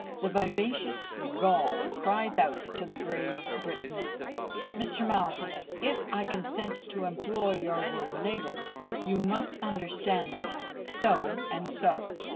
The vivacious Gaul cries out to the grave Briton, Mr. Malthus, "If I consent to employ your word labour, you must understand me," so and so!